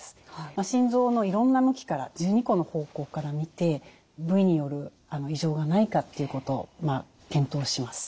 心臓のいろんな向きから１２個の方向から見て部位による異常がないかっていうことを検討します。